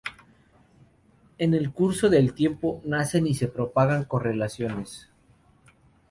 En el curso del tiempo nacen y se propagan correlaciones.